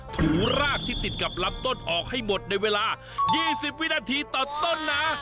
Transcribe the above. ถูรากที่ติดกับลำต้นออกให้หมดในเวลา๒๐วินาทีต่อต้นนะ